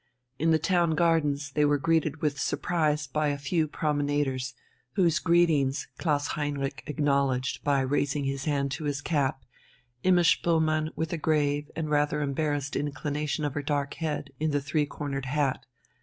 In the town gardens they were greeted with surprise by a few promenaders, whose greetings Klaus Heinrich acknowledged by raising his hand to his cap, Imma Spoelmann with a grave and rather embarrassed inclination of her dark head in the three cornered hat.